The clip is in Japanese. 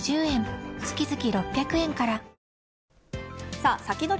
さあ、サキドリ！